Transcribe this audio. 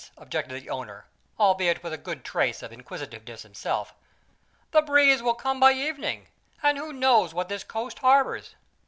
objected the owner, albeit with a good trace of inquisitiveness himself. "The breeze will come by evening; and who knows what this coast harbors?